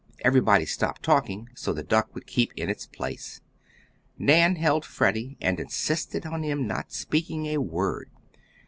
Everybody stopped talking, so the duck would keep in its place. Nan held Freddie and insisted on him not speaking a word. Mr.